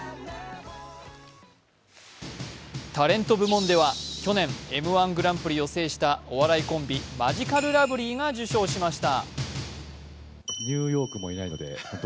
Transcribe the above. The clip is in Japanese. タレント部門では去年、Ｍ−１グランプリを制したお笑いコンビ、マヂカルラブリーが受賞しました。